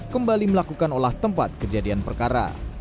kembali melakukan olah tempat kejadian perkara